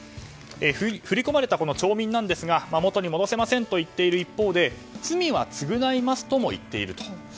振り込まれた町民ですが元に戻せないと言っている一方で罪は償いますとも言っていると。